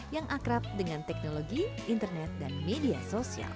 yang akrab dengan teknologi internet dan media sosial